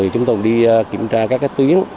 chúng tôi đi kiểm tra các tuyến